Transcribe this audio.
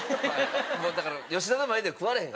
もうだから吉田の前では食われへんかったんや？